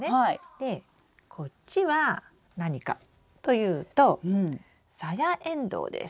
でこっちは何かというとサヤエンドウです。